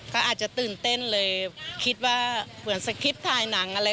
ก็อาจจะตื่นเต้นเลยคิดว่าเหมือนสคริปต์ถ่ายหนังอะไร